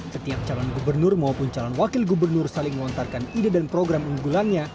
setiap calon gubernur maupun calon wakil gubernur saling melontarkan ide dan program unggulannya